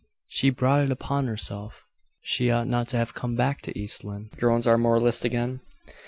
"She brought it upon herself she ought not to have come back to East Lynne!" groans our moralist again.